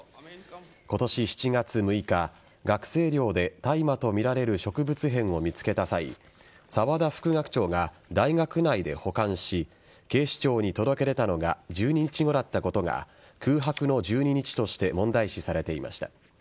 今年７月６日学生寮で大麻とみられる植物片を見つけた際沢田副学長が大学内で保管し警視庁に届け出たのが１２日後だったことが空白の１２日として問題視されていました。